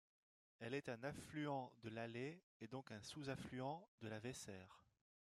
Elle est un affluent de l'Aller et donc un sous-affluent de la Weser.